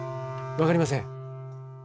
分かりません。